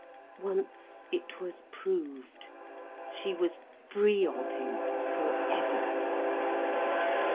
Once it was proved, she was free of him forever.